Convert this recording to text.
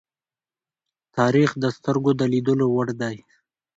تاریخ د سترگو د لیدلو وړ دی.